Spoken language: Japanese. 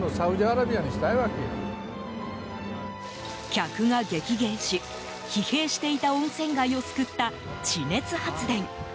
客が激減し、疲弊していた温泉街を救った地熱発電。